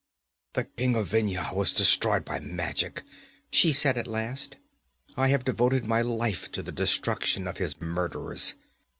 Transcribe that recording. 'The king of Vendhya was destroyed by magic,' she said at last. 'I have devoted my life to the destruction of his murderers.